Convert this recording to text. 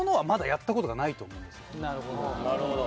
なるほど。